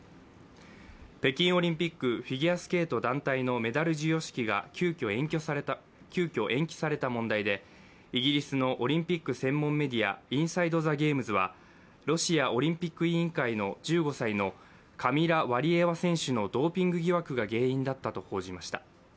北京オリンピック、フィギュアスケート団体のメダル授与式が急きょ延期された問題で、イギリスのオリンピック専門メディアインサイド・ザ・ゲームズはロシア・オリンピック委員会の１５歳のカミラ・ワリエワ選手のドーピング疑惑が原因だったと報じました。